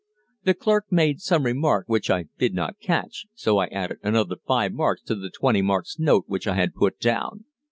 The clerk made some remark which I did not catch, so I added another 5 marks to the 20 marks note which I had put down.